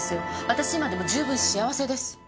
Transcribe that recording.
私今でも十分幸せです。